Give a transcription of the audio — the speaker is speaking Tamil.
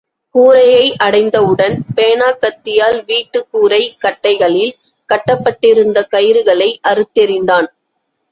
கூரையை அடைந்தவுடன் பேனாக்கத்தியால் வீட்டுக் கூரைக் கட்டைகளில் கட்டப்பட்டிருந்த கயிறுகளை அறுத்தெறிந்தான்.